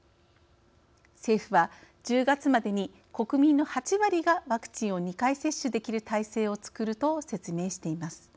政府は、１０月までに国民の８割がワクチンを２回接種できる体制を作ると説明しています。